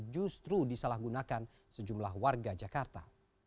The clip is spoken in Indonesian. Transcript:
justru disalahgunakan sejumlah warga jakarta